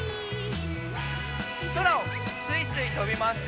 そらをすいすいとびますよ！